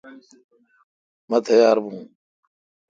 مہ تیار ہو۔